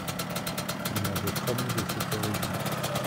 Il m’avait promis de se corriger.